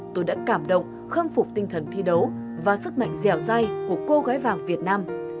tôi đã cảm động khâm phục tinh thần thi đấu và sức mạnh dẻo dai của cô gái vàng việt nam